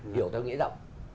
điều theo nghĩa rộng